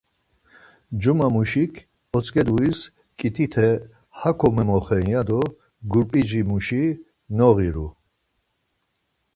Cuma muşik utzǩeduis ǩitite hako memoxen ya do gurp̌ici muşi noğiru.